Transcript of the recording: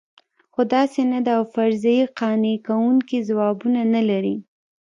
خو داسې نه ده او فرضیې قانع کوونکي ځوابونه نه لري.